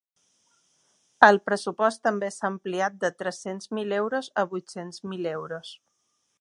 El pressupost també s’ha ampliat de tres-cents mil euros a vuit-cents mil euros.